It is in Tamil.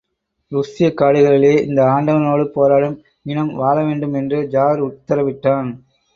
ருஷ்யக் காடுகளிலே இந்த ஆண்டவனோடு போராடும் இனம் வாழ வேண்டும் என்று ஜார் உத்தரவிட்டான்.